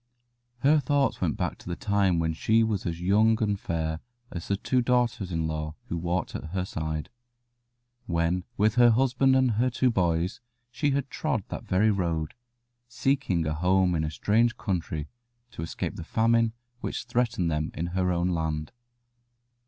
Her thoughts went back to the time when she was as young and fair as the two daughters in law who walked at her side when with her husband and her two boys she had trod that very road, seeking a home in a strange country to escape the famine which threatened them in her own land.